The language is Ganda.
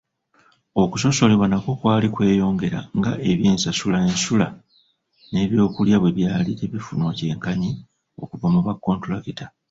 Okusosolebwa nakwo kwali kweyongera nga eby'ensasula, ensula, n'ebyokulya bwe byali tebifunwa kyenkanyi okuva mu bakontulakita.